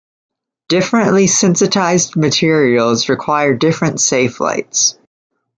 Differently sensitised materials require different safelights.